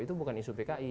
itu bukan isu pki